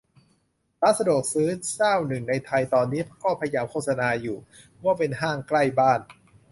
ร้านสะดวกซื้อเจ้าหนึ่งในไทยตอนนี้ก็พยายามโฆษณาอยู่ ว่าเป็น "ห้างใกล้บ้าน"